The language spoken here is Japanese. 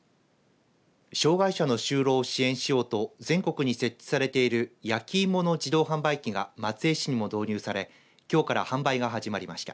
障害者の就労を支援しようと全国に設置されている焼き芋の自動販売機が松江市にも導入されきょうから販売が始まりました。